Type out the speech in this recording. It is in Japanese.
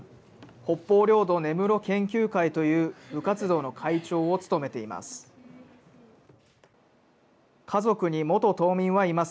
北方領土根室研究会という部活動の会長を務めています。